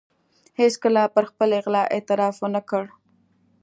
هېڅکله پر خپلې غلا اعتراف و نه کړ.